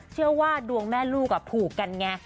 เชื่อว่าดวงแม่ลูกถูกกันไง